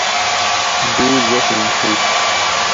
دُو زخم ہُوت